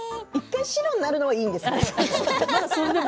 １回白になるのはいいんですか？